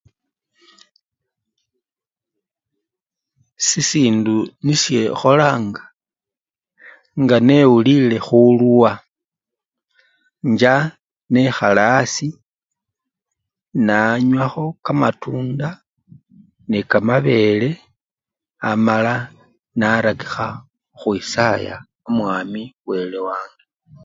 Sisindu nishekholanga nga newulile khuluwa injja nekhala asii nanywakho kamatunda nekamabele amala narakikha khukhwisaya omwami wele wange.